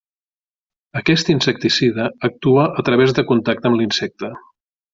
Aquest insecticida actua a través de contacte amb l'insecte.